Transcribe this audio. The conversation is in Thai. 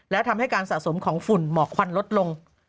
และทำให้การสะสมของฝุ่นหมอกควันลดลง